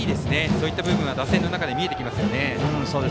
そういった部分は打線の中で見えてきますよね。